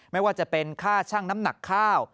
ไม่ว่าจะเป็นค่าชั่งน้ำหนักข้าว